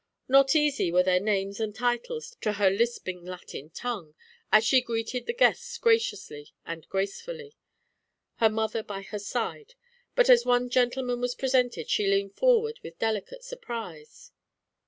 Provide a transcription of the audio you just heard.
Not easy were their names and titles to her lisping Latin tongue, as she greeted the guests graciously and gracefully, her mother by her side. But as one gentleman was presented, she leaned forward with delicate surprise.